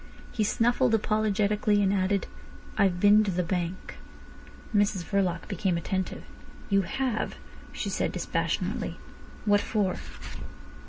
He snuffled apologetically, and added: "I've been to the bank." Mrs Verloc became attentive. "You have!" she said dispassionately. "What for?"